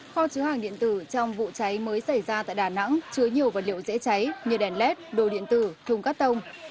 kho chứa hàng điện tử trong vụ cháy mới xảy ra tại đà nẵng chứa nhiều vật liệu dễ cháy như đèn led đồ điện tử thùng cắt tông